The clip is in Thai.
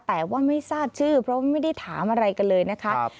แต่ว่าไม่ทราบชื่อเพราะไม่ได้ถามอะไรกันเลยนะคะ